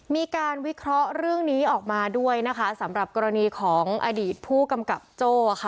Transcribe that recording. มีการวิเคราะห์เรื่องนี้ออกมาด้วยนะคะสำหรับกรณีของอดีตผู้กำกับโจ้ค่ะ